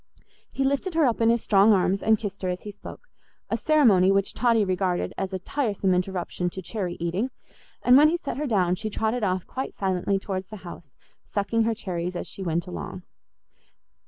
He lifted her up in his strong arms and kissed her as he spoke, a ceremony which Totty regarded as a tiresome interruption to cherry eating; and when he set her down she trotted off quite silently towards the house, sucking her cherries as she went along.